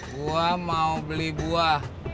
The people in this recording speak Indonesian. gua mau beli buah